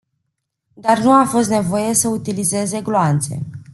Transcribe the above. Dar nu a fost nevoie să utilizeze gloanțe.